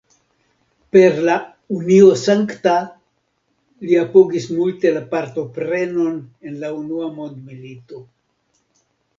Per la "Unio Sankta", li apogis multe la partoprenon en la unua mondmilito.